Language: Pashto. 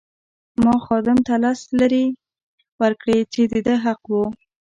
ما خادم ته لس لیرې ورکړې چې د ده حق وو.